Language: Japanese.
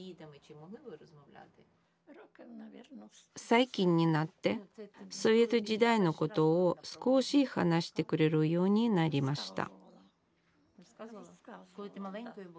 最近になってソビエト時代のことを少し話してくれるようになりました